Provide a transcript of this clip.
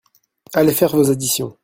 Allez faire vos additions !